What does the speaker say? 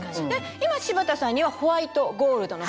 今柴田さんにはホワイトゴールドの方です。